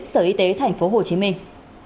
sở y tế thành phố hồ chí minh